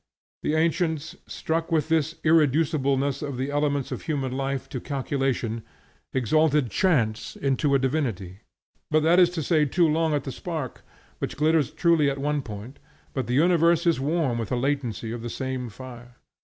The ancients, struck with this irreducibleness of the elements of human life to calculation, exalted Chance into a divinity; but that is to stay too long at the spark, which glitters truly at one point, but the universe is warm with the latency of the same fire.